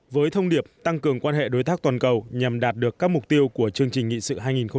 với thông điệp tăng cường quan hệ đối tác toàn cầu nhằm đạt được các mục tiêu của chương trình nghị sự hai nghìn ba mươi